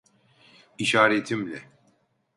İşaretimle.